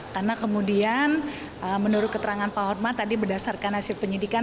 karena kemudian menurut keterangan pak hotma tadi berdasarkan hasil penyidikan